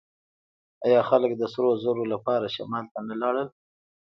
آیا خلک د سرو زرو لپاره شمال ته نه لاړل؟